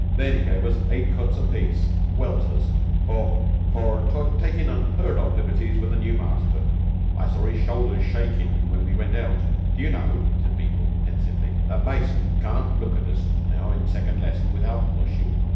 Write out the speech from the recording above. Then he gave us eight cuts apiece welters for for takin' unheard of liberties with a new master. I saw his shoulders shaking when we went out. Do you know," said Beetle, pensively, "that Mason can't look at us now in second lesson without blushing?